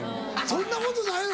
そんなことないよ